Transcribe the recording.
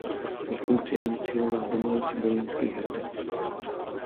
Ve funkci inicioval demolici brněnských hradeb.